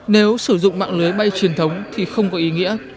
nếu sử dụng mạng lưới bay truyền thống thì không có ý nghĩa